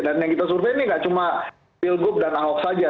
dan yang kita survei ini nggak cuma pilgub dan ahok saja